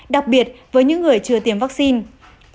đặc biệt với những người chưa tiêm vaccine